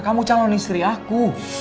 kamu calon istri aku